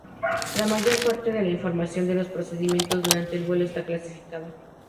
La mayor parte de la información de los procedimientos durante el vuelo está clasificada.